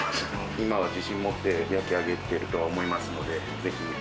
今は自信持って焼き上げているとは思いますので、ぜひ。